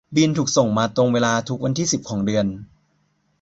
บิลถูกส่งมาตรงเวลาทุกวันที่สิบของเดือน